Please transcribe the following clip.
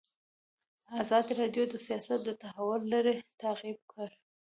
ازادي راډیو د سیاست د تحول لړۍ تعقیب کړې.